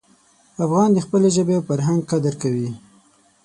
افغان د خپلې ژبې او فرهنګ قدر کوي.